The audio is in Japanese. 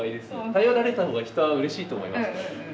頼られたほうが人はうれしいと思いますんで。